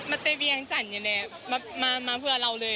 มาเตะเบียงจันทร์อย่างเนี่ยแหละมาเพื่อเราเลย